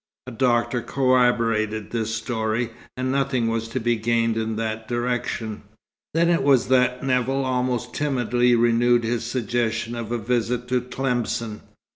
A doctor corroborated this story, and nothing was to be gained in that direction. Then it was that Nevill almost timidly renewed his suggestion of a visit to Tlemcen.